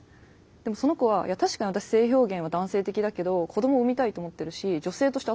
でもその子は「いや確かに私性表現は男性的だけど子供産みたいと思ってるし女性として扱われること